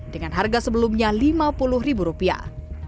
dengan harga sebelumnya lima puluh ribu rupiah